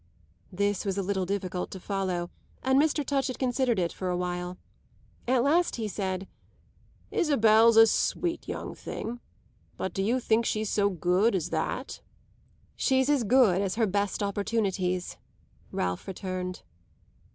This was a little difficult to follow, and Mr. Touchett considered it for a while. At last he said: "Isabel's a sweet young thing; but do you think she's so good as that?" "She's as good as her best opportunities," Ralph returned.